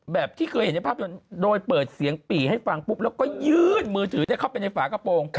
ที่เคยเห็นในภาพยนต์โดยเปิดเสียงปี่ให้ฟังปุ๊บแล้วก็ยื่นมือถือเข้าไปในฝากระโปรง